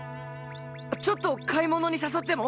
ちょっと買い物に誘っても？